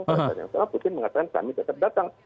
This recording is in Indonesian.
karena putin mengatakan kami tetap datang